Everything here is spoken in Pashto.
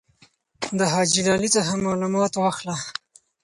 د حاجي لالي څخه معلومات واخله.